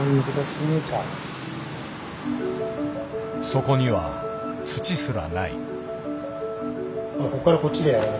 そこには土すらない。